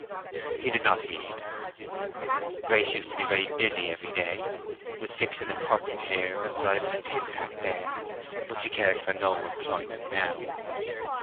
He did not heed. "Grace used to be so busy every day, with fixing a curtain here and driving a tin tack there; but she cares for no employment now!"